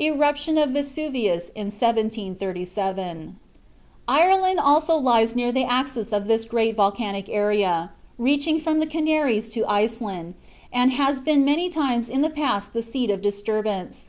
ERUPTION OF VESUVIUS IN 1737. Ireland also lies near the axis of this great volcanic area, reaching from the Canaries to Iceland, and it has been many times in the past the seat of disturbance.